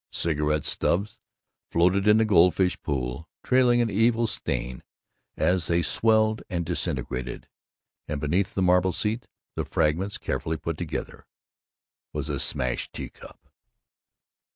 Cigarette stubs floated in the goldfish pool, trailing an evil stain as they swelled and disintegrated, and beneath the marble seat, the fragments carefully put together, was a smashed teacup.